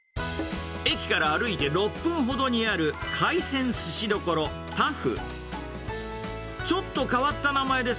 駅から歩いて６分ほどにある、廻鮮寿司処タフ。